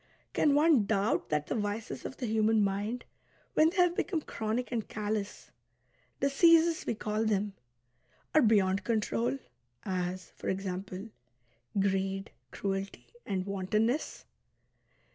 Can one doubt that the vices of the human mind, when they have become chronic and callous (" diseases " we call tliem), are beyond control, as, for example, greed, cruelty, and wantonness?